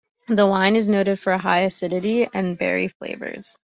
The wine is noted for high acidity and berry flavors.